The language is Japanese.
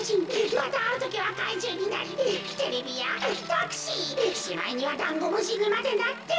またあるときはかいじゅうになりテレビやタクシーしまいにはだんごむしにまでなって。